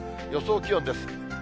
予想気温です。